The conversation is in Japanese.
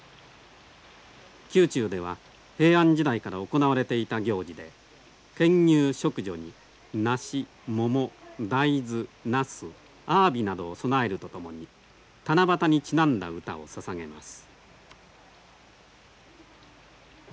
宮中では平安時代から行われていた行事で牽牛織女に梨桃大豆なすあわびなどを供えるとともに七夕にちなんだ歌をささげます。